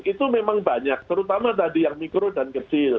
itu memang banyak terutama tadi yang mikro dan kecil